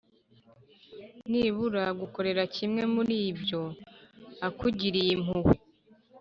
nibura agukorere kimwe muri ibyo akugiriye impuhwe